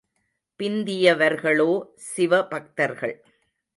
பிந்தியவர்களோ சிவ பக்தர்கள்.